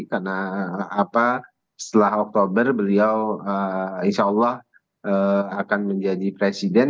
karena setelah oktober beliau insya allah akan menjadi presiden